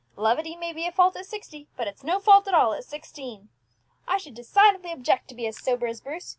Levity may be a fault at sixty, but it's no fault at all at sixteen. I should decidedly object to be as sober as Bruce.